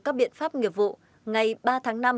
các biện pháp nghiệp vụ ngày ba tháng năm